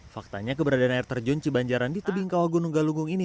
faktanya keberadaan air terjun cibanjaran di tebing kawah gunung galunggung ini